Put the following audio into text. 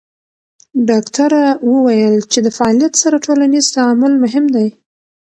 ډاکټره وویل چې د فعالیت سره ټولنیز تعامل مهم دی.